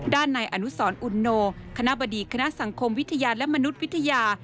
ด้านในอนุสรอุโนคณะบดีคณะสังคมวิทยาและมนุษย์วิทยา